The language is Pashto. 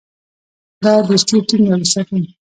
دا دوستي ټینګه وساتي.